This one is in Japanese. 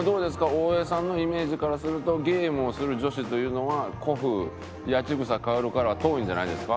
大江さんのイメージからするとゲームをする女子というのは古風八千草薫からは遠いんじゃないですか？